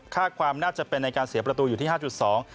ความน่าจะเป็นในการเสียประตูอยู่ที่ห้าจุดสอง